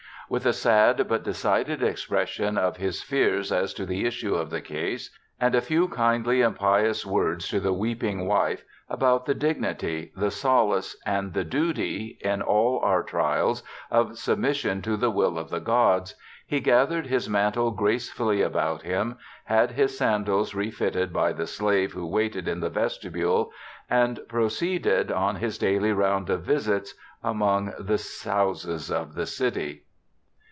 With a sad but decided expression of his fears as to the issue of the case, and a few kindly and pious words to the weeping wife, about the dignity, the solace, and the duty, in all our trials, of submission to the will of the gods, he gathered his mantle gracefully about him, had his sandals refitted by the ELISHA BARTLETT 151 slave who waited in the vestibule, and proceeded on his daily round of visits among the houses of the city.